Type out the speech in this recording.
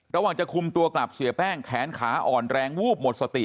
ระหว่างจะคุมตัวกลับเสียแป้งแขนขาอ่อนแรงวูบหมดสติ